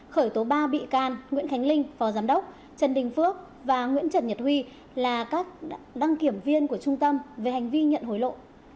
khởi tố ba bị can nguyễn khánh linh phó giám đốc trần đình phước và nguyễn trần nhật huy là các đăng kiểm viên của trung tâm về hành vi nhận hối lộ